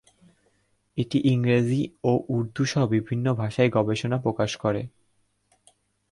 এটি ইংরেজি ও উর্দুসহ বিভিন্ন ভাষায় গবেষণা প্রকাশ করে।